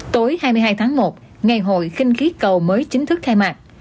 tối hai mươi hai tháng một ngày hội kinh khí cầu mới chính thức khai mạc